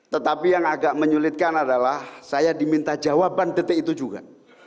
tetapi yang agak menyulitkan adalah saya diminta jawaban detik itu juga